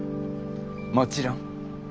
もちろん。